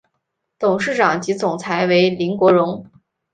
董事长及总裁为林国荣。